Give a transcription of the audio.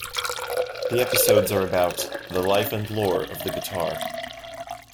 The episodes are about "the life and lore of the guitar".